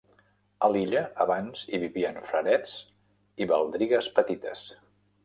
A l'illa abans hi vivien frarets i baldrigues petites.